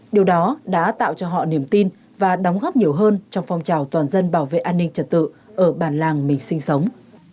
điều đó đã tạo cho họ niềm tin và đóng góp nhiều hơn trong phong trào toàn dân bảo vệ an ninh trật tự ở bản làng mình sinh sống